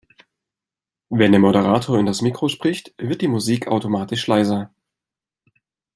Wenn der Moderator in das Mikro spricht, wird die Musik automatisch leiser.